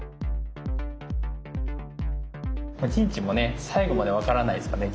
陣地もね最後まで分からないですからね。